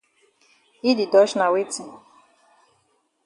Yi di dodge na weti?